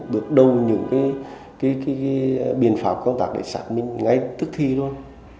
bước đầu những cái biện pháp công tác để sạc mình ngay tức thì luôn